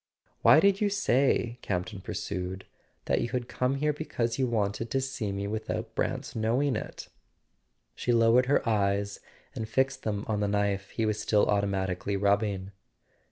"Why did you say," Campton pursued, "that you had come here because you wanted to see me without Brant's knowing it ?" She lowered her eyes and fixed them on the knife he was still automatically rubbing.